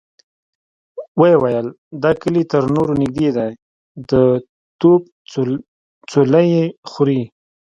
ويې ويل: دا کلي تر نورو نږدې دی، د توپ څولۍ يې خوري.